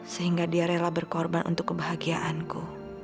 sehingga dia rela berkorban untuk kebahagiaanku